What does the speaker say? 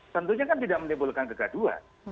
tentunya kan tidak menimbulkan kegaduhan